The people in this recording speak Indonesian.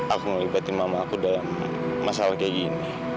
aku ngelibatin mamaku dalam masalah kayak gini